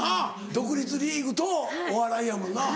独立リーグとお笑いやもんな。